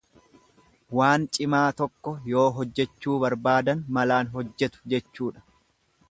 Waan cimaa tokko yoo hojjechuu barbaadan malaan hojjetu jechuudha.